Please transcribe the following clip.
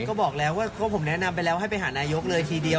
ก็บอกแล้วว่าผมแนะนำไปแล้วให้ไปหานายกเลยทีเดียว